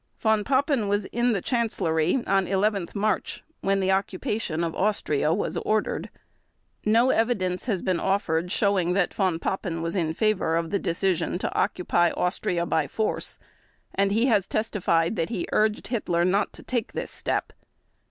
Von Papen was in the Chancellery on 11 March when the occupation of Austria was ordered. No evidence has been offered showing that Von Papen was in favor of the decision to occupy Austria by force, and he has testified that he urged Hitler not to take this step.